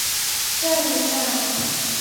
Chai ni tamu.